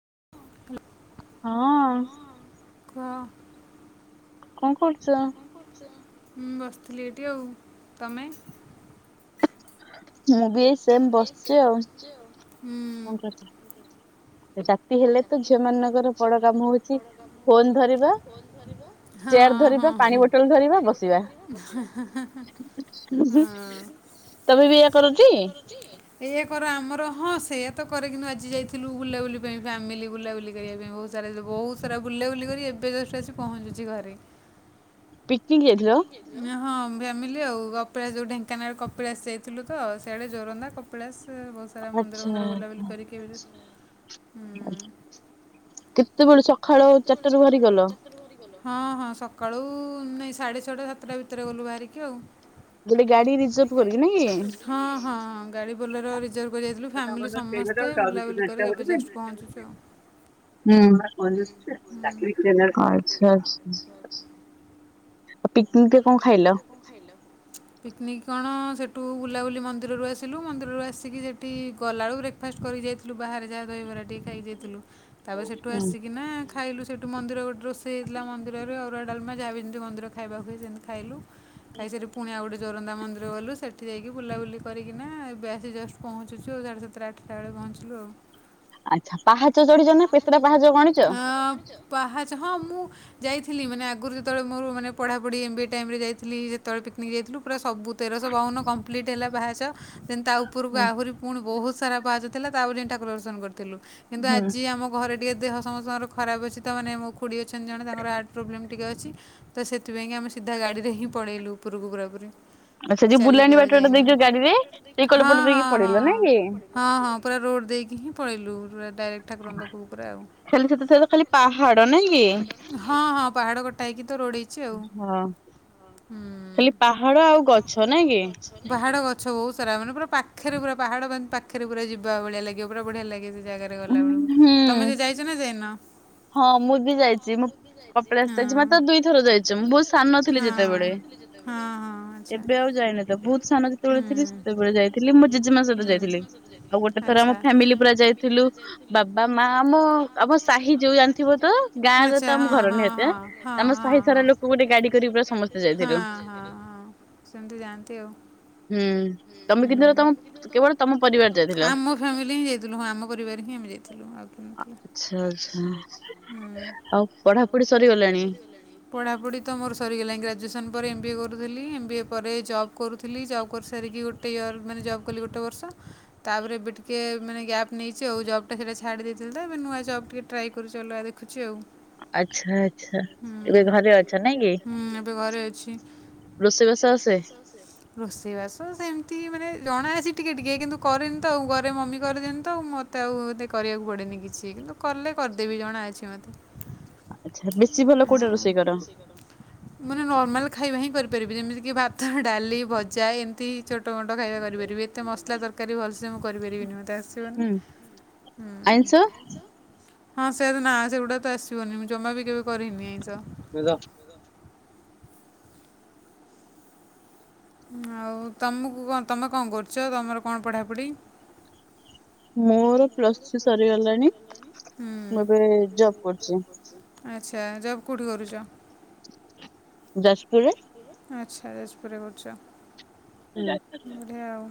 [unintelligible] ହଁ। କହ। କଣ କରୁଚ? ମୁଁ ବସିଥିଲି ଏଠି ଆଉ, ତମେ? ମୁଁ ବି ଏଇ ସେମ ବସିଛି ଆଉ। କଣ କରୁଚ ପୂଜା ହେଲେ ତ ଝିଅ ମାନଙ୍କର ବଡ କାମ ହଉଛି ଫୋନ ଧରିବା। ଚ୍ୟାର ଧରିବା, ପାଣି ବୋଟଲ ଧରିବା, ବସିବା। ଜି। ଇଏଆ କର ଆମର ହଁ ସେୟା ତ କରେ କିନୁ ଆଜି ଯାଇଥିଲୁ ବୁଲାବୁଲି ପାଇଁ ଫ୍ୟାମିଲି ବୁଲାବୁଲି କରିବା ପାଇଁ ବହୁତ ସାରା ବହୁତ ସାରା ବୁଲାବୁଲି କରି ଏବେ ଜଷ୍ଟ ଆସି ପହଞ୍ଚୁଛି ଘରେ। ହଁ ଫ୍ୟାମିଲି ଆଉ କପିଳାସ ଯୋଉଁ ଢେଙ୍କାନାଳ କପିଳାସ ଯାଇଥିଲୁ ତ ସିଆଡ଼େ ଜୋରନ୍ଦା କପିଳାସ। ସେ ବହୁତ ସାରା ମନ୍ଦିର ଉନ୍ଦର ବୁଲାବୁଲି କରିକି। ଆଚା କେତେବେଳେ ସ ହଁ ହଁ ସକାଳୁ ମିସ। ସାଢ଼େ ଛଅଟା ସାତଟା ଭିତରେ ଗଲୁ ବାହାରିକି ଆଉ। ଗାଡ଼ି ରିଜର୍ଭ ହଁ ହଁ ଗାଡି ବୋଲରରେ ରିଜର୍ଭ କରିକି ଯାଇଥିଲୁ ଫ୍ୟାମିଲୀ ସ। ସମସ୍ତେ ବୁଲାବୁଲି କରିକି ଏବେ ଜଷ୍ଟ ପହଞ୍ଚୁଛୁ ଆଉ। ହୁଁ ଆଛା ଆଛା। ଆଉ ପିକନିକରେ କଣ ଖାଇଲ। ପିକନିକ୍ କଣ ସେଠୁ ବୁଲାବୁଲି ମନ୍ଦିରରୁ ଆସିଲୁ ମନ୍ଦିରରୁ ଆସିକି ସେଠି ଗଲା ବେଳକୁ ବ୍ରେକଫା କରି ଯାଇଥିଲୁ। ବାହାରେ ଯାହା ଦହିବରା ଟିକେ ଖାଇକିଜାଇଥିଲୁ ତାପରେ ସେଠୁ ଆସିକି ନା ଖାଇଲୁ ସେଠୁ ମନ୍ଦିର ଗୋଟେ ରୋଷ। ହେଇଥିଲା ମନ୍ଦିରରେ ଅରୁଆ ଡାଲମା ଯାହାବି ଯେମିତି ମନ୍ଦିର ଖାଇବା ହୁଏ ସେମି ଖାଇଲୁ ଖାଇସରିକି ପୁଣି ଆଉ ଗୋଟେ ଜୋରନ୍ଦା ମନ୍ଦିର ଗଲୁ ସେଠି ଯାଇକି ବୁଲାବୁଲି କରିକିନା ଏବେ ଆସି ଜଷ୍ଟ ପହଞ୍ଚୁଚୁ ଆଉ ସାଢ଼େ ସାତ ଆଠଟା ବେଳେ। ମଞ୍ଚୁଲୁ ଆଉ। ଆଁ ପାହାଚ ହଁ ମୁଁ। ଯାଇଥିଲି ମାନେ ଆଗୁରୁ ଯେତେବେଳେ ମୋର ପଢ଼ାପଢି ଏମ୍ ବିି ଏ ଟାଇମରେ ଯାଇଥିଲି ଯେତେବେଳେ ପିକିନିକ୍ ଯାଇଥିଲୁ ପୁରା ସ ସବୁ ତେରଶ ବାଉନ କମ୍ପ୍ଲିଟ୍ ହେଲା ପାହାଚ। ସେନ୍ତି ତା ଉପରକୁ ଆହୁରି ପୁଣି ବହୁତ ସାରା ପାହାଚ ଥିଲା ତା ପରେ ଯାଇ ଠାକୁର ଦର୍ଶନ କରିଥିଲୁ। କିନ୍ତୁ ଆଜି ଆମ ଘରେ। ଟିକେ ଦେହ ସମସ୍ତଙ୍କର ଖରାପ ଅଛି ତ ମାନେ ମୋ ଖୁଡ଼ି ଅଛନ୍ତି ଜଣେ ତାଙ୍କର ହାର୍ଟ ପ୍ରୋବ୍ଲେମ୍ ଟିକେ ଅଛି ତ ସେଥିପାଇଁକା। ଆମେ ସିଧା ଗାଡିରେ ହିଁ ପଳେଇଲୁ ଉପୁରୁକୁ ପୁରା ପୁରି। ଚାଲିିକି ଆଉ ଯାଇନୁ ହଁ ହଁ ହଁ ହଁ ହଁ ପୁରା। ରୋଡ଼ ଦେଇକି ହିଁ ପଳେଇଲୁ ରୁରା-ଡାଇରେକ୍ଟ ଠାକୁଙ୍କ ପାଖକୁ ପୁରା ଆଉ। ଖାଲି ସେତ ସତ ଖାଲି ପାହାଡ ନାଇଁ କି। ହଁ ହଁ ପାହାଡ କଟ। ହଁ ଖାଲି ପାହାଡ ଆଉ ଗଛ ନାଇଁ କି। ପାହାଡ ଗଛ ବୋହୁତ ସାରା ମାନେ ପୁରା ପାଖେରେ ପୁରା ପାହାଡ ମାନ୍-ପାଖରେ ପୁରା ଯିବା ଭଳିଆ ଲାଗିବ ପୁରା ବଢିଆ ଲାଗେ ସେ ଜାଗାରେ ଗଲା ବେଳକୁ ତମେ ଯେ ଯାଇଚ ନା ଯାଇନ? ହଁ ମୁଁ ବି ଯାଇଚି ମୁଁ କପିଳାସ ଯାଇଚି ପା ତ ଦୁଇ ଥର ଯାଇଛି ମୁଁ ବହୁତ ସାନ ଥିଲି ଯେତେବେଳେ। ଏବେ ଆଉ ଯାଇନି ତ ବହୁତ ସାନ ଯେତୋବେଳେ ଥିଲି ସେତୋବେଳେ ଯାଇଥିଲି ମୁଁ ଜେଜେମା ସହିତ ଯାଇଥିଲି। ଆଉ ଗୋଟେ ଥର ଆମ ଫ୍ୟାମିଲି ପୁରା ଯାଇଥିଲୁ। ବାବା ମା ମୋ ଆମ ସାହି ଯୋଉଁ ଜାଣିଥିବ ତ ଗାଁରେ ତ ଆମ ଘର ନିହାତୀ ହାଁ। ଆମ ସାହିସାରା ଲୋକୋ ଗୋଟେ ଗାଡି କରିକି ପୁରା ସମସ୍ତେ ଯାଇଥିଲୁ। ସେମିତି ଯାଆନ୍ତି ଆଉ। ହୁଁ ତମେ କିନ୍ତୁ ତମ କେବଳ ତମ ପରିବାର ଯାଇଥିଲ? ଯାଇଥିଲୁ ଆଉ କିନ୍ତୁ ହୁଁ। ପଢାପଢି ତ ମୋର ସରିଗଲାଣି ଗ୍ରାଯୁଏସନ୍ ଏମ୍ ବିଏ କରୁଥିଲି। ଏମ୍ ବିଏ ପରେ ଜବ୍ କରୁଥିଲି ଜବ୍ କରିସାରିକି ଗୋଟେ ଇୟର୍ ମାନେ ଜବ୍ କଲି ଗୋଟେ ବର୍ଷ। ତାପରେ ଏବେ ଟିକେ ମାନେ ଗ୍ୟାପ୍ ନେଇଚି ଆଉ ଜବ୍ ଟା ସେଇଟା ଛାଡି ଦେଇଥିଲି ତ ଏବେ ନୂଆ ଜବ୍ ଟିକେ ଟ୍ରାଏ କରୁଚି ଅଲଗା ଦେଖୁଛି ଆଉ। ଆଛା ଆଛା ଏବେ ଘରେ ଅଛ ନାଇଁ କି? ରୋଷେଇବାସ ସେମିତି ମାନେ ଜଣା ଆସି ଟିକେ ଟିକେ କିନ୍ତୁ କରେନି ତ ଆଉ ଘରେ ମମି କରିଦିଅନ୍ତି। ତ ମତେ ଆଉ ଏତେ କରିବାକୁ ପଡ଼େନି କିଛି। କିନ୍ତୁ କଲେ କରିଦେବି ଜଣା ଅଛି ମତେ। ହୁଁ ମାନେ ନର୍ମାଲ ହିଁ କରିପାରିବି ଯେମିତିକି ଭାତ ଡାଲି ଭଜା ଏମିତି ଛୋ ମୋଟୋ ଖାଇବା କରିପାରିବି ଏତେ ମସଲା ତରକାରୀ ଭଲସେ ମୁଁ କରିପାରିବିନି ମୋତେ ଆସିବନି। ହୁଁ। ହଁ ସେରା ତ ନାଁ ସେଗୁଡା ତ ଆସିବନି ମୁଁ ଜମା ବି କେବେ କରିନି ଏଇ ଜିନ୍ସ। [unintelligible] ଆଉ ତମକୁ କଁ ତମେ କଁ କରୁଚ ତମର କଣ ପଢ଼ାପଢ଼ି। ମୋର ପ୍ଲସ୍ ଥ୍ରୀ ସରିଗଲାଣି ମୁଁ ଏବେ ଜବ କରୁଚି। ଆଚ୍ଛା, ଜବ୍ କଉଠି କରୁଛ? ଯାଜପୁର ରେ ଆଚ୍ଛା, ଯାଜପୁର ରେ କରୁଛ। ବଢିଆ ଆଉ।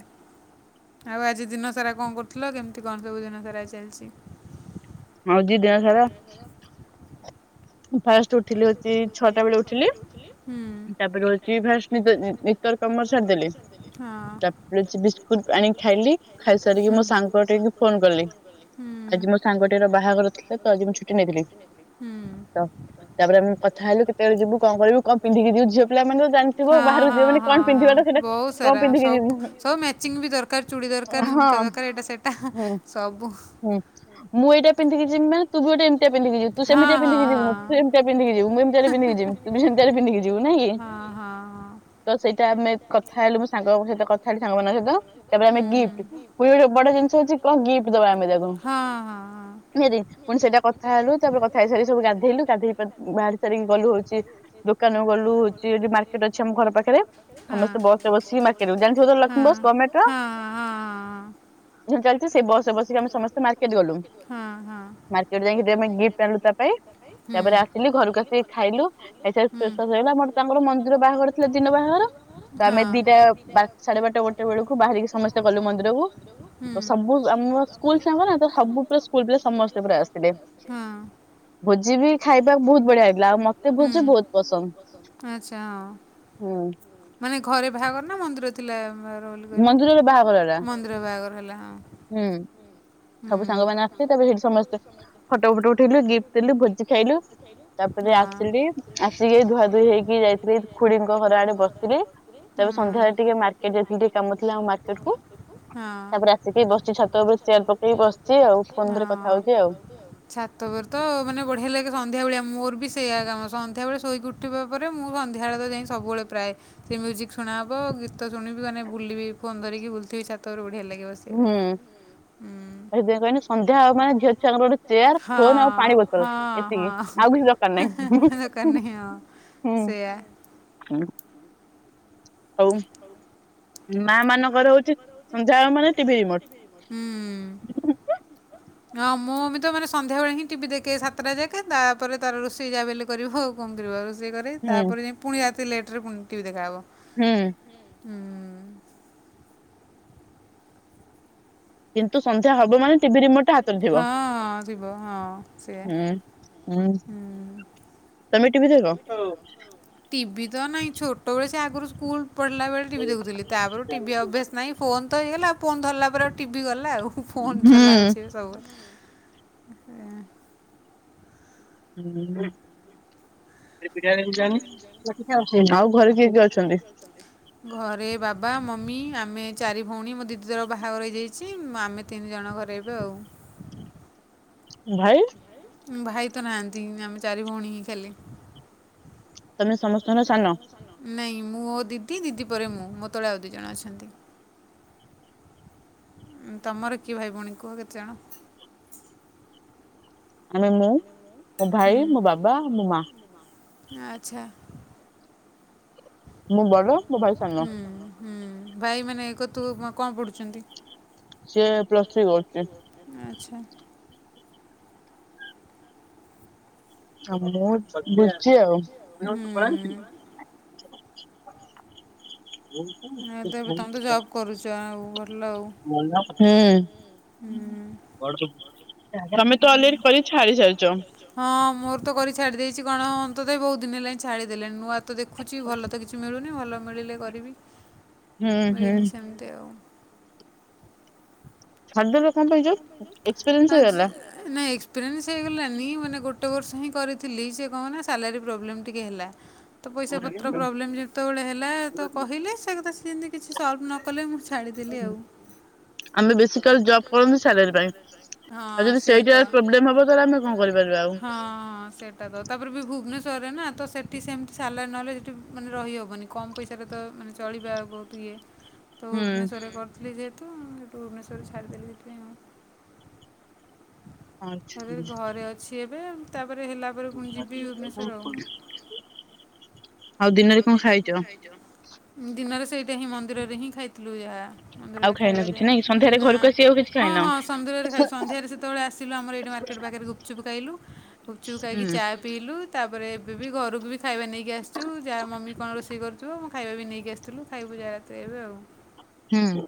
ଆଉ ଆଜି ଦିନ ସାରା କଣ କରୁଥିଲ? କେମତି କଣ ସବୁ ଦିନ ସାରା ଚାଲିଛି? ହଉଛି ଦିନ ସାରା [unintelligible] ଫାଷ୍ଟ ଉଠିଲି, ହଉଛି ଛଅଟା ବେଳେ ଉଠିଲି ତାପରେ [unintelligible] ବିସ୍କୁଟ ଆଣି ଖାଇଲି। ଖାଇସାରିକି ମୋ ସାଙ୍ଗ ଟିକୁ ଫୋନ୍ କଲି। ଆଜି ମୋ ସାଙ୍ଗଟିର ବାହା ବାହାଘର ଥିଲା ତ ଆଜି ମୁଁ ଛୁଟି ନେଇଥିଲି। ତ ତାପରେ ଆମ କଥା ହେଲୁ କେତେବେଳେ ଯିବୁ କଣ କରିବୁ। କଣ ପିନ୍ଧିକି ଯିବ, ଝିଅ ପିଲା ମାନେ ତ ଜାଣିଥିବ ବାହାରକୁ ଯିବ ମାନେ, କଣ ପିନ୍ଧିବାର ସେଟା କଣ ପିନ୍ଧିକି ଯିବୁ। ମାଚିଙ୍ଗ ବି ଦରକାର ଚୁଡ଼ି ଦରକାର, ଝୁମକା ଦରକାର, ଏଇଟା ସେଇଟା ସବୁ ହଁ, ମୁଁ ଏଇଟା ପିନ୍ଧିକି ଯିବି ମାନେ ତୁ ବି ଗୋଟେ ଏମିତିଆ ପିନ୍ଧିିକି ଯିବୁ ତୁ ସେମିତିଆ ପିିନ୍ଧିକି ଯିବୁ, ତୁ ଏମିତିଆ ପିନ୍ଧିକି ଯିବୁ, ମୁଁ ଏମତିଆ ଟା ପିନ୍ଧିକି ଯିବି, ତୁ ବି ସେମିତିଆ ଟା ପିନ୍ଧିକି ଯିବୁ ନାଇ କି? ତ ସେଇଟା ଆମେ କଥା ହେଲୁ ମୋ ସାଙ୍ଗ ଙ୍କ ସହିତ କଥା ହେଲି ସାଙ୍ଗମାନଙ୍କ ସହିତ ତାପରେ ଆମେ ଗିଫ୍ଟ୍ ପୁଣି ଗୋଟେ ବଡ ଜିନିଷ ହୋଉଚି କଣ ଗିଫ୍ଟ୍ ଦବା ଆମେ ତାକୁ। ନିହାତି ପୁଣି ସେଇଟା କଥା ହେଲୁ ତାପରେ କଥା ହେଇସାରି ଗାଧେଇଲୁ ଗାଧେଇ ପା ବାହାର ସାରିକି ଗଲୁ ହୋଉଚି ଦୋକାନ ଗଲୁ ହୋଉଚି ଏଇ ଯୋଉ ମାର୍କେଟ ଅଛି ଆମ ଘର ପାଖେରେ। ହଁ ହଁ ହଁ ହଁଅ। [unintelligible] ସେ ବସ ରେ ବସିକି ଆମେ ସମସ୍ତେ ମାର୍କେଟ ଗଲୁ। ମାର୍କେଟ ଯାଇକି ଦେବ ପାଇଁ ଗିଫ୍ଟ ଆଣିଲୁ ତା ପାଇଁ। ତାପରେ ଆସିଲି ଘରକୁ ଆସିକି ଖାଇଲୁ ଖାଇସାରି [unintelligible] ହେଇଲା ମୋର ତାଙ୍କର ମନ୍ଦିର ବାହାଘର ଥିଲା ଦିନ ବାହାଘର ତ ଆମେ ଦିଟା, ସାଢେ ବାରଟା ଗୋଟେ ବେଳକୁ, ବାହାରିକି ସମସ୍ତେ ଗଲୁ ମନ୍ଦିରକୁ ତ ସବୁ ଆମ ସ୍କୁଲ ସାଙ୍ଗ ନା ତ ସବୁ ପୁରା ସ୍କୁଲ ରେ ସମସ୍ତେ ପୁରା ଆସିଥିଲେ ହୁଁ ଆଚଛା ହଁ। ହୁଁ। ମାନେ ଘରେ ବାହାଘର ନା ମନ୍ଦିର ଥିଲାର ବୋଲି କହିଲ ମନ୍ଦିର ବାହାଘର ହେଲା ହଁ। ହୁଁ ସବୁ ସାଙ୍ଗମାନେ ଆସିବେ ତାପରେ ସେଠି ସମସ୍ତେ ଫଟୋ ଫଟୋ ଉଠେଇଲୁ ଗିଫ୍ଟ ଦେଲୁ ଭୋଜି ଖାଇଲୁ ତାପରେ ଆସିଲି ଆସିକି ଧୁଆ ଧୁଇ ହେଇକି ଯାଇଥିଲି ଖୁଡିଙ୍କ ଘର ଆଡେ ବସିଥିଲି ତା ପରେ ସନ୍ଧ୍ୟାବେଳେ ଟିକେ ମାର୍କେଟ ଯାଇଥିଲି ଟିକେ କାମଥିଲା ଆମ ମର୍କେଟ କୁ ତାପରେ ଆସିକି ବସିଚି ଛାତ ଉପରେ ଚେୟାର ପକ ହଁ ଛାତ ଉପରେ ତ ମାନେ ବଢିଆ ଲଗେ ସନ୍ଧ୍ୟା ବଳିଆ ମୋର ବି ସେଇଆ କାମ ସନ୍ଧ୍ୟା ବେଳେ ଶୋଇକି ଉଠିବା ପରେ ମୁଁ ସନ୍ଧ୍ୟା ବେଳେତ ଯାଇଁକି ସବୁବେଳେ ପ୍ରାୟେ ସେ ମିଉଜିକ ସୁ ଶୁଣା ହବ ଗୀତ ଶୁଣିବି ମାନେ ବୁଲିବି ଫୋନ୍ ଧରିକି ବୁଲଥିବି ଛାତ ଉପରୁ ବଢ଼ିଆ ଲାଗିବ ବସିକି। ସେଥି ପାଇଁ କହିନି ସନ୍ଧ୍ୟା ହବ ମାନେ ଝିଅ ଛୁଆଙ୍କର ଗୋଟେ ଚେୟାର ଫୋନ ଆଉ ପାଣି ବୋତଲ ଏତିକି ଆଉ ପୁଣି ଦରକାର ନାହିଁ, ହୁଁ। ହୋଉ ମା ମାନଙ୍କର ହଉଚି ସନ୍ଧ୍ୟା ହବ ମାନେ ଟିଭି ରିମୋଟ୍ ହଁ ମୁଁ ବି ତ ମାନେ ସନ୍ଧ୍ୟାବେଳେ ହିଁ ଟିଭି ଦେଖେଇ ସାତଟା ଯାକ ତାପରେ ତାର ରୋଷେଇ ଯା ବଲେ କରିବ ଆଉ କଣ କରିବ ରୋଷ ରୋଷେଇ କରିବି ତା ପରେ ଯାଇଁ ପୁଣି ରାତି ଲେଟରେ ପୁଣି ଟିଭି ଦେଖାହବ। ହୁଁ ହୁଁ କିନ୍ତୁ ସନ୍ଧ୍ୟା ହବ ମାନେ ଟିଭି ରିମୋଟ ହଁ ହଁ ଯିବ ହଁ ସିଏ ହଁ ତମେ ଟିଭି ଦେଖ। ଟିଭି ତ ନହିଁ ଛୋଟବେେଳେ ସେ ଆଗରୁ ସ୍କୁଲ ପଢିଲାେଳେ ଟିଭି ଦେଖୁଥିଲି, ତାପରୁ ଟିଭି ଅଭ୍ୟାସ ନାହିଁ। ଫୋନ ହେଇଗଲା ଆଉ ଫୋନ ଧରିଲା ପରେ ଆଉ ଟିଭି ଗଲା ଆଉ ଫୋନ ଚଲାଉଛି ସବୁବେଳେ। [unintelligible] [unintelligible] ଅ ଆଉ ଘରେ କିଏ କିଏ ଅଛନ୍ତି? ଘରେ ବାବା ମମି ଆମେ ଚାରି ଭଉଣୀ ମୋ ଦିଦି ତାର ବାହାଘର ହେଇଯାଇଛି। ଆମେ ତିନି ଜଣ ଜଣ ଘରେ ଏବେ ଆଉ। ଭାଇ ଭାଇ ତ ନାହାଁନ୍ତି, ଆମେ ଚାରି ଭଉଣୀ ହିଁ ଖାଲି। ନାଇଁ ମୁଁ ଓ ଦିଦି ଦିଦି ପରେ ମୁଁ ମୋ ତଳେ ଆଉ ଦି ଜଣ ଅଛନ୍ତି। ଉ ତମର କିଏ ଭାଇ ଭଉଣୀ କୁହ କେତେଜଣ? ଆମେ ମୁଁ, ମୋ ଭାଇ, ମୋ ବାବା, ମୋ ମା। ହୁଁ ହୁଁ ଭାଇ ମାନେ। [unintelligible] ତୁ କଣ ପଡ଼ୁଛନ୍ତି? ସେ ପ୍ଲସ ଥ୍ରୀ କରୁଛି। ଆଚ୍ଛା। ମୁଁ ବୁଝଛି ଆଉ। ହଁ। [unintelligible] ତମେ ତ ଏଲର୍ଡୀ କରି ଛାଡି ସାରଛ। ହଁ ମୋର ତ କରି ଛାଡି ଦେଇଛି କଣ, ତ ବି ବହୁତ ଦିନ ହେଲାଣିି ଛାଡିଦେଲେଣି, ନୂଆ ତ ଦେଖୁଛି ଭଲ ତ କିଛି ମିଳୁନି, ଭଲ ମିଳିଲେ କରିବି ମିଳିନି ସେମିତି ଆଉ, କଣ କହିଛ [unintelligible] ହାଜ୍ ନାଇଁ ଏକ୍ସପେରିଏନ୍ସ ହେଇଗଲାନି ମାନେ ଗୋ ଗୋଟେ ବର୍ଷ ହିଁ କରିଥିଲି ସେ କହନା ସାଲାରୀ ପ୍ରୋବ୍ଲେମ୍ ଟିକେ ହେଲା। ତ ପଇସା ପତ୍ର ପ୍ରବ୍ଲେମ ଯେତୋବୋଳେ ହେଲା ତ କହିଲେ ସେ କଥା ସେନ୍ତି। କିଛି ସଲ୍ଭ ନ କଲେ ମୁଁ ଛାଡ଼ିଦେଲି ଆଉ। ହଁ ସେ ତ ହଁ। ହଁ ସେଟା ତ ତାପରେ ବି ଭୁବନେ ଶ୍ଵର ରେ ନା ତ ସେଠି ସେମିତି ସାଲାଇନ୍ ନହେଲେ ସେଠି ମାନେ ରହିହବନି କମ ପଇସାରେ ତ ମାନେ ଚଳିବା ବହୁତ ଇଏ ତ ଭୁବନେଶ୍ୱରରେ କରିଥିଲି ଯେହେତୁ ସେଠୁ ଭୁବନେଶ୍ୱରରେ ଛାଡ଼ିଦେଲି ସେଇଥି ପାଇଁ ଛାଡ଼ିଦେଲି ଘରେ ଅଛି ଏବେ ତା ତା ପରେ ହେଲା ପରେ ପୁଣି ଯିବି ଭୁବନେଶ୍ୱର ଆଉ। ଦିନରେ ସେଇଟା ହିଁ ମନ୍ଦିରରେ ହିଁ ଖାଇଥିଲୁ ଯାହା। ନା ହଁ ହଁ ସମୁଦ୍ର ରେ କାଇ ସନ୍ଧ୍ୟାରେ ସେତେବେଳେ ଆସିଲୁ ଆମର ଏଇଠୁ ମା ମର୍କେଟ୍ ପାଖରେ ଗୁପଚୁପ୍ ଖାଇଲୁ ଗୁପଚୁପ୍ ଖାଇକି ଚା ପିଇଲୁ। ତାପରେ ଏବେ ବି ଘରକୁ ବି ଖାଇବା ନେଇକି ଆସିଚୁ। ଯାହା ମମି କଣ ରୋଷେଇ କରୁଥୁବ ମୁଁ ଖାଇବା ବି ନେଇକି ଆସିଥିଲୁ ଖାଇବୁ ଯାହା ରାତିରେ ଏବେ ଆଉ। ହୁଁ।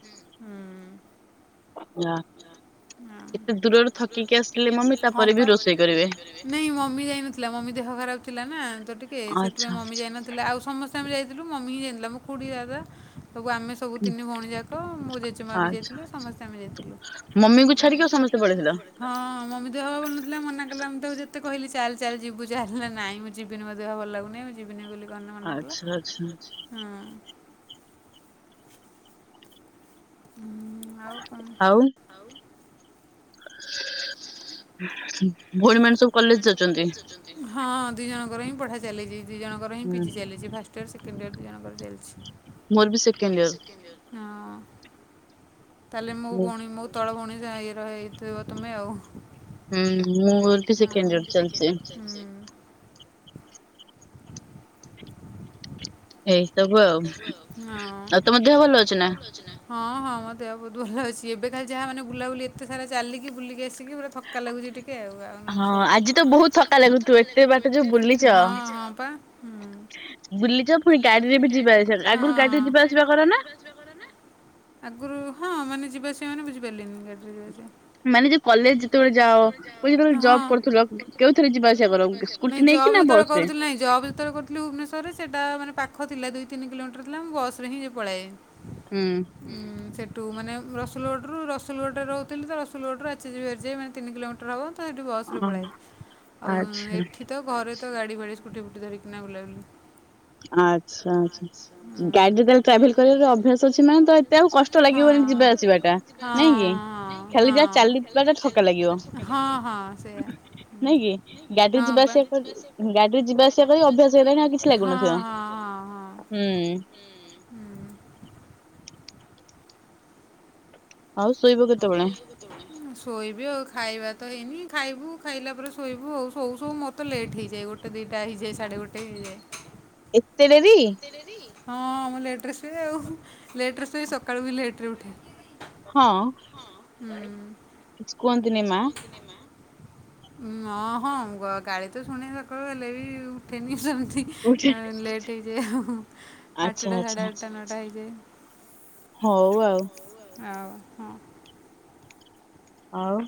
ନାଁ। ହୁଁ ଏତେ ଦୂରରୁ ଥକିକି ଆସିଥିଲି ହଁ ପା ରୋଷେଇ କରିବି ନାଇଁ ମମି ଯାଇନଥିଲା ମମି ଦେହ ଖରାପ ଥିଲା ନା ତ ଟିକେ ସେଥିପାଇଁ ମମି ଯାଇ ନଥିଲା ଆଉ ସମସ୍ତେ ଆମେ ଯାଇଥିଲୁ ମମି ହିଁ ଜାଇନଥିଲା ମୋ ଖୁଡି ଦାଦା। ସବୁ ଆମେ ସବୁ ତିନି ଭଉଣୀ ଯାକ ମୋ ଜେଜେମାଆ ବି ଯାଇଥିଲା ସମସ୍ତେ ଆମେ ଯାଇଥିଲୁ। ହଁ ମମି ଦେହ ପା ଭଲନଥିଲା ମନା କଲା ମୁଁ ତାକୁ ଯେ ତେ କହିଲି ଚାଲ ଚାଲ ଯିବୁ ଚାଲ୍ ନା ନାଇଁ ମୁଁ ଯିବିନି ମୋ ଦେହ ଭଲ ଲାଗୁନି ମୁଁ ଯିବିନି ବୋଲି। ନି ମନାକଲା ହୁଁ। ହୁଁ ଆଉ କଣ? ଆଉ ଭଉଣୀ ମାନେ ସବୁ ହଁ ଦୁଇ ଜଣଙ୍କର ହିଁ ପଢ଼ା ଚାଲିଚି ଦି ଜଣଙ୍କର ହିଁ ପିଜି ଚାଲିଚି first first year second year ଦି ଜଣ ଙ୍କ ର ଚାଲିଚି ମୋର ବି ସେକେଣ୍ଡ ୟିଅର। ତାହେଲେ ମୋ ଭଉଣୀ ମୋ ତଳ ଭଉଣୀ [unintelligible] ରହେ ଥିବ ତୁମେ ଆଉ। ହୁଁ ମୁଁ [unintelligible] ସେକେଣ୍ଡ ଚାଲିଚି। ହଁ ଆଉ ତମ ଦେହ ଭଲ ଅଛି ନାଁ ହଁ ହଁ ମୋ ଦେହ ବହୁତ ଭଲ ଅଛି। କି ଏବେ ଖାଲି ଯାହା ମାନେ ବୁଲାବୁଲି ଏତେ ସାରା ଚାଲିକି ବୁଲିକ ଆସି କି ପୁରା ଥକା ଲାଗୁଚି ଟିକେ ଆଉ ନ ହେଲେ ସବୁଠୁ ହଁ ଆଜି ତ ବୋହୁତ ଥକା ଲାଗୁଥିବା ଏତେ ବାଟ ଯେହେତୁ ହଁ ହଁ। ହଁ ପା ହୁଁ। ବୁଲିଚ ପୁଣି ଗାଡିରେ ବି ହଁ ଆଗରୁ ହଁ। ମାନେ ଯିବା ସେମାନେ ବୁଝିପାରିଲିନି ଗାଡିରେ ଯିବା ସିଏ ମାନେ ଯଉ କଲେଜ ଯେତେବେଳେ ଯାଅ ଯେତେବେଳେ ଜବ୍ କରୁଥୁଲ କେଉ ଥିରେ ଯିବା ଆସିବା କର ସ୍କୁଟି ନେଇକି ନା ଯେତବେଳେ କରୁଥିଲି ନାଇଁ ଜବ୍ ଯେତବେଳେ କରୁଥିଲି ଭୁବନେଶ୍ୱରରେ ସେଟା ମାନେ ପାଖ ଥିଲା ଦୁଇ ତିନି କିଲୋମିଟର ଥିଲା ମୁଁ ବସ ରେ ହିଁ ପଳାଏ। ହୁଁ। ଟୁ ମାନେ ରସୁଲୁଗଡ଼ରୁ ରସୁଲଗଡ଼ରେ ରହୁଥିଲ ତ ରସୁଲଗଡ଼ରୁ ଆଚାର୍ଯ୍ୟ ବିହାର ଯାଏ ମାନେ ତିନି କିଲୋମିଟର ହବ। ତ ସେଠି ବସରେ ପଳାଏ ଆଉ ଏଠି ତ ଘରେ ତ ଗାଡି ଫାଡ଼ି ସ୍କୁଟି ଫୁଟି ଧରି କି ନା ବୁଲାବୁଲି। ଆଚ୍ଛା ଆଚ୍ଛା ଗାଡିରେ ତହେଲେ ଟ୍ରାଭେଲ କରିବାର ଅଭ୍ୟାସ ଅଛି ମାନେ ତ ଏତେ ଆଉ କଷ୍ଟ ଲାଗିବନି। ହଁ ହଁ ହଁ ହଁ ହଁ ସେଇୟା। ନାଇଁ କି ଗାଡିରେ ଯିବା ଆସିବା କରି ଗାଡିରୁ ଯିବା ଆସିବା କରି ଅଭ୍ୟାସ ହେଇଗଲାଣି ଆଉ କିଛି ଲାଗୁନଥିବ? ହୁଁ। ଆଉ ଶୋଇବେ କେତବେଳେ? ଶୋଇବି ଆଉ ଖାଇବା ତ ହେଇନି ଖାଇବୁ ଖାଇଲା ପରେ ଶୋଇବୁ ଆଉ ଶୋଉ ଶୋଉ ମୋତେ ଲେଟ୍ ହେଇଯାଏ ଗୋଟେ ଦିଟା ହେଇଯାଏ ସାଢେ ଗୋଟେ ହେଇଯାଏ। ଏତେ ଡେରି? ହଁ ମୁଁ ଲେଟ୍ ରେ ଶୁଏ ଆଉ ଲେଟ୍ ରେ ଶୋଇକି ସକାଳୁ ବି ଲେଟ୍ ରେ ଉଠେ। ହଁ କିଛି କୁହନ୍ତିନି ମା। ଉଁ ଅ-ହଁ ଗ-ଗାଳି ତ ଶୁଣେ ସକାଳୁ ହେଲେ ବି ଉଠେନି ସେମିତି ତି ଲେଟେ ହେଇଯାଏ ଆଉ ଆଠଟା ସାଢ଼େ ଆଠଟା ନଅଟା ହେଇଯାଏ। ହଉ ଆଉ। ଆଉ ହଁ। ଆଉ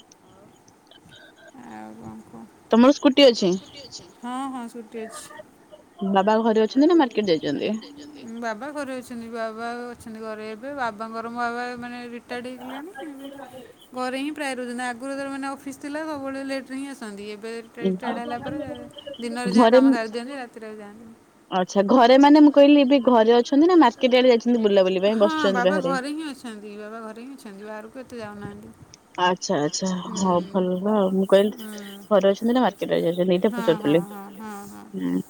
ତମ ସ୍କୁ ତମର ସ୍କୁଟି ଅଛି ହଁ ହଁ ସ୍କୁଟି ଅଛି। ଘରେ ଅଛନ୍ତି ନା ମାର୍କେଟ ଯାଇଛନ୍ତି ବାବା ଘରେ ଅଛନ୍ତି ବାବା ଅଛନ୍ତି ଘରେ ଏବେ ବାବାଙ୍କର ମୋ ବାବା। ମାନେ ରିଟାୟାର୍ଡ ହେଇଗଲେଣି ଏବେ ଘରେ ହିଁ ପ୍ରାୟ ରହୁଚନ୍ତି ଆ ଗୁରୁତାର ମାନେ ଅଫିସ ଥିଲା ସବୁବେଳେ ଲେଟ୍ ରେ ହିଁ ଆସନ୍ତି ଏ। ରିଟାୟାର୍ଡ଼ ହେଲା ପରେ ଦିନରେ ଯାହା କାମ ସାରି ଦିଅନ୍ତି ରାତିରେ ଆଉ ଯାଆନ୍ତିନି। ଆଛା ଘରେ ମାନେ ମୁଁ କହିଲି ଏବେ ଘରେ ଅଛନ୍ତି ନା ମାର୍କେଟ ଆଡେ ଯାଇଚନ୍ତି ବୁଲାବୁଲି ପାଇଁ ବସିଚନ୍ତି ବାହାରେ? ବାବା ଘରେ ହିଁ ଅଛନ୍ତି ବାହାରକୁ ଏତେ ଯାଉନାଁହା। ଆଚ୍ଛା ଆଚ୍ଛା ହଉ ଭଲ ହେଲା ମୁଁ କହିଲି ଘରେ ଅଛନ୍ତି ନା ମାର୍କେଟ ଯାଇଛନ୍ତି ଏଇ କଥା ପଚାରୁଥିଲି। ହାଲୋ ହୁଁ।